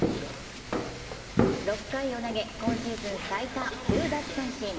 ６回を投げ今シーズン最多９奪三振。